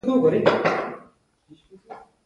ډېر بد سترګی یې، دا کاوور هوټل نه دی که څنګه؟